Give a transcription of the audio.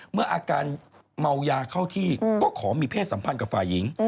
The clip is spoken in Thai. เมื่ออาการเมายาเข้าที่ก็ขอมีเพศสัมพันธ์กับฝ่ายหญิง